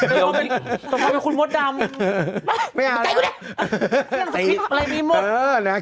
ทำมาเป็นคุณมสดำไม่เอาใจไม่ก็ได้อะไรมีมุกเออนะครับ